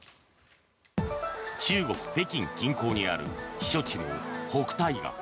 中国・北京近郊にある避暑地の北戴河。